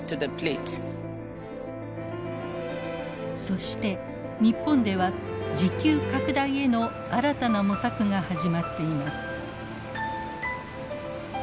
そして日本では自給拡大への新たな模索が始まっています。